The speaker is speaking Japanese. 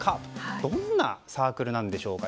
どんなサークルなんでしょうか。